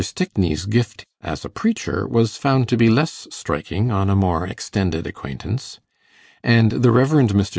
Stickney's gift as a preacher was found to be less striking on a more extended acquaintance; and the Rev. Mr.